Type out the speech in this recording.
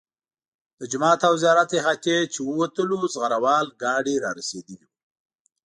له جومات او زیارت احاطې چې ووتلو زغره وال ګاډي را رسېدلي وو.